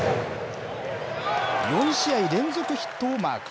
４試合連続ヒットをマーク。